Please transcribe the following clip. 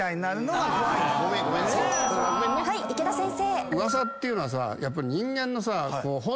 はい池田先生。